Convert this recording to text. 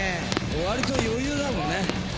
割と余裕だもんね。